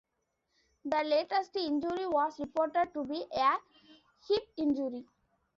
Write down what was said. The latest injury was reported to be a hip injury.